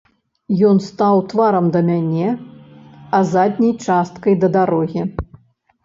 Ён стаў тварам да мяне, а задняй часткай да дарогі.